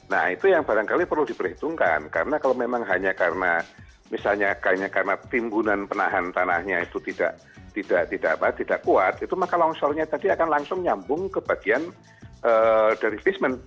nah itu yang barangkali perlu diperhitungkan karena kalau memang hanya karena misalnya karena timbunan penahan tanahnya itu tidak kuat itu maka longsornya tadi akan langsung nyambung ke bagian dari basement